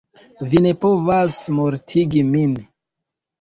Vi ne povas mortigi min!